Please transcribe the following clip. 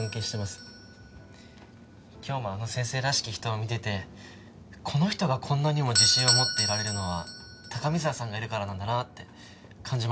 今日もあの先生らしき人を見ててこの人がこんなにも自信を持っていられるのは高見沢さんがいるからなんだなって感じました。